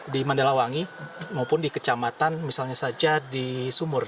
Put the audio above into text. di mandalawangi maupun di kecamatan misalnya saja di sumur